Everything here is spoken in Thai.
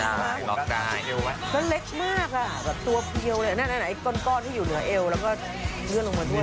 นั่นไหนไอ้ก้นที่อยู่เหนือเอวแล้วก็เลื่อนลงมาด้วย